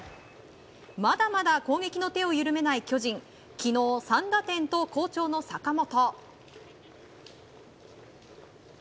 まだまだ攻撃の手を緩めない巨人昨日３打点と好調の坂本。